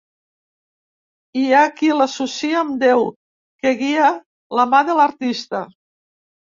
Hi ha qui l'associa amb Déu, que guia la mà de l'artista.